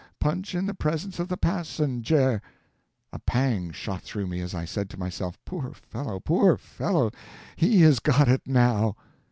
Punch in the presence of the passenjare!" A pang shot through me as I said to myself, "Poor fellow, poor fellow! he has got it, now."